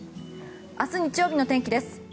明日、日曜日の天気です。